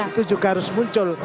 itu juga harus muncul